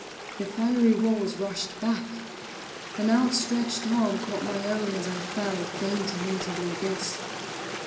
The fiery walls rushed back! An outstretched arm caught my own as I fell, fainting, into the abyss.